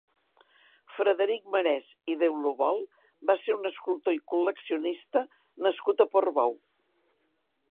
Frederic Marès i Deulovol va ser un escultor i col·leccionista nascut a Portbou.